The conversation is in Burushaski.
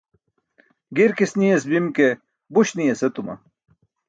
Girks niyas bim ke, buś niyas etuma.